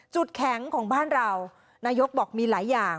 จุดแข็งของบ้านเรานายกบอกมีหลายอย่าง